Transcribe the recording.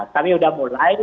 kami udah mulai